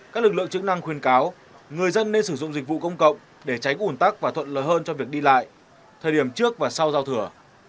các lực lượng chức năng khuyên cáo người dân nên sử dụng dịch vụ công cộng để tránh ủn tắc và thuận lợi hơn cho việc đi lại thời điểm trước và sau giao thửa